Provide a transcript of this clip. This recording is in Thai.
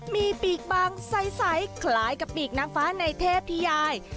มีปีกบางใสคล้ายกับปีกนางฟ้าในเทพธิยาย